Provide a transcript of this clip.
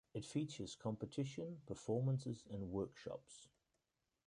It features competition, performances, and workshops.